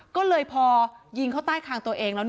ก็เลยพอยิงเขาใต้คางตัวเองแล้ว